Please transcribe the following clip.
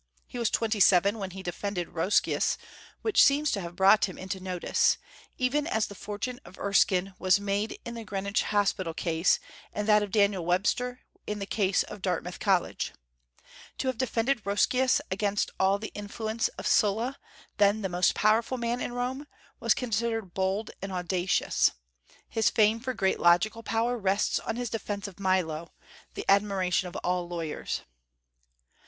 He was twenty seven when he defended Roscius, which seems to have brought him into notice, even as the fortune of Erskine was made in the Greenwich Hospital case and that of Daniel Webster in the case of Dartmouth College. To have defended Roscius against all the influence of Sulla, then the most powerful man in Rome, was considered bold and audacious. His fame for great logical power rests on his defence of Milo, the admiration of all lawyers.